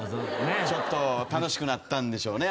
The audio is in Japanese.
ちょっと楽しくなったんでしょうあそこは。